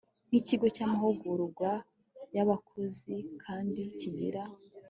Nk ikigo cy amahugurwa y abakozi kandi kigira